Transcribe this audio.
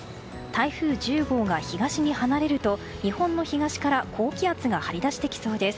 台風１０号が東に離れると日本の東から高気圧が張り出してきそうです。